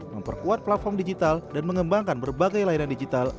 memperkuat platform digital dan mengembangkan berbagai layanan digital